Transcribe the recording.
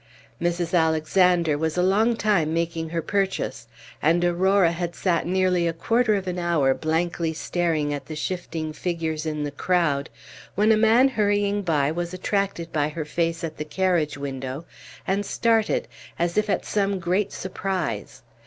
Mrs. Alexander was a long time making her purchase, and Aurora had sat nearly a quarter of an hour blankly staring at the shifting figures in the crowd, when a man hurrying by was attracted by her face at the carriage window, and started, as if at some great surprise.